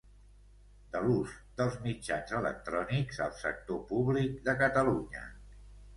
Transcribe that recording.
De l'ús dels mitjans electrònics al sector públic de Catalunya.